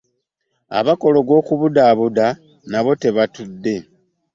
Abakola ogw'okubudaabuda nabo tebatudde.